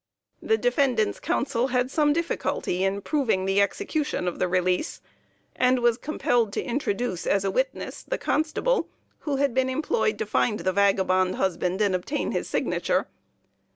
The defendant's counsel had some difficulty in proving the execution of the release, and was compelled to introduce as a witness, the constable who had been employed to find the vagabond husband and obtain his signature.